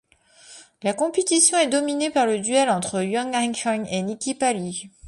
La compétition est dominée par le duel entre Huang Haiqiang et Niki Palli.